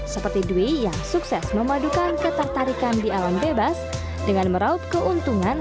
seperti dwi yang sukses memadukan ketertarikan di alam bebas dengan meraup keuntungan